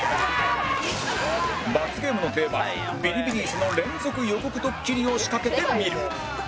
罰ゲームの定番ビリビリ椅子の連続予告ドッキリを仕掛けてみる